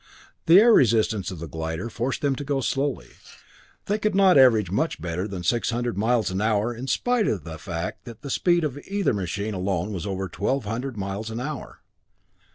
The air resistance of the glider forced them to go slowly; they could not average much better than six hundred an hour despite the fact that the speed of either machine alone was over twelve hundred miles an hour.